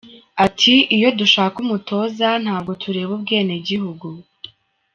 Ati “Iyo dushaka umutoza ntabwo tureba ubwenegihugu.